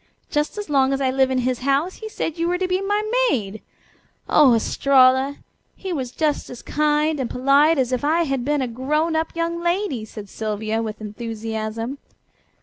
Just as long as I live in his house he said you were to be my maid! Oh, Estralla! He was just as kind and polite as if I had been a grown up young lady," said Sylvia with enthusiasm.